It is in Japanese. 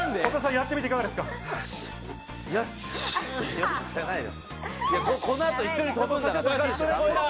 やってみていかがでした？